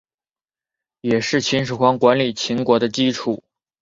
也是秦始皇管理秦国的基础。